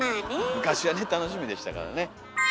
昔はね楽しみでしたからね。